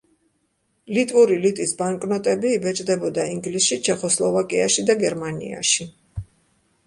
ლიტვური ლიტის ბანკნოტები იბეჭდებოდა ინგლისში, ჩეხოსლოვაკიაში და გერმანიაში.